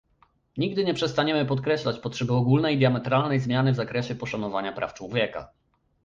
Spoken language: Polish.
Nigdy nie przestaniemy podkreślać potrzeby ogólnej i diametralnej zmiany w zakresie poszanowania praw człowieka